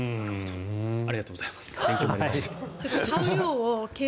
ありがとうございます。